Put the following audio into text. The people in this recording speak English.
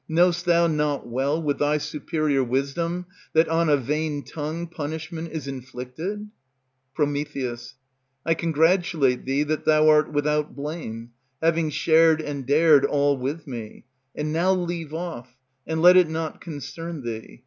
Know'st thou not well, with thy superior wisdom, that On a vain tongue punishment is inflicted? Pr. I congratulate thee that thou art without blame, Having shared and dared all with me; And now leave off, and let it not concern thee.